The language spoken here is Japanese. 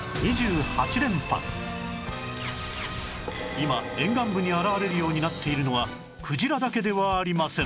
今沿岸部に現れるようになっているのはクジラだけではありません